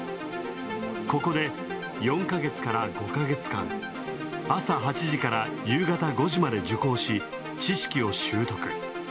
ここで４ヶ月から５ヶ月間、朝８時から夕方５時まで受講し、知識を習得。